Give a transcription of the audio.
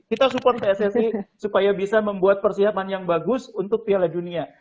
kita support pssi supaya bisa membuat persiapan yang bagus untuk piala dunia